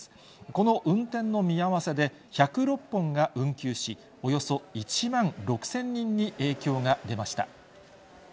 この運転の見合わせで、１０６本が運休し、およそ１万６０００人に影響が出ました。